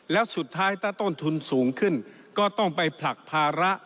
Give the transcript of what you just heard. แล้วสุดท้ายถ้าต้นทุนสูงขึ้นก็ต้องไปผลักภาระ